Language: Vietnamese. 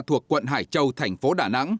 thuộc quận hải châu thành phố đà nẵng